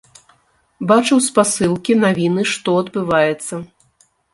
Бачыў спасылкі, навіны, што адбываецца.